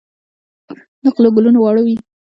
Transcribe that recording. د غلو ګلونه واړه وي.